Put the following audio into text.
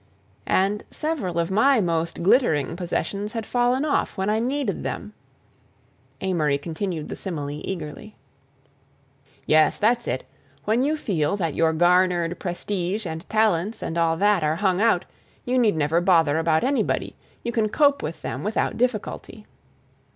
"And several of my most glittering possessions had fallen off when I needed them." Amory continued the simile eagerly. "Yes, that's it; when you feel that your garnered prestige and talents and all that are hung out, you need never bother about anybody; you can cope with them without difficulty."